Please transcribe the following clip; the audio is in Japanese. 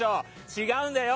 違うんだよ！